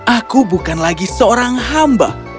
aku bukan lagi seorang hamba